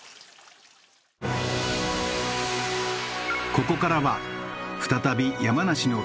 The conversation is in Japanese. ここからは再び山梨の旅。